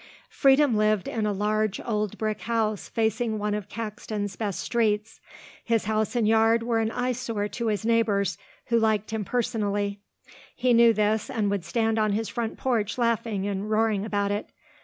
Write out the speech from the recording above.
Freedom lived in a large old brick house facing one of Caxton's best streets. His house and yard were an eyesore to his neighbours who liked him personally. He knew this and would stand on his front porch laughing and roaring about it.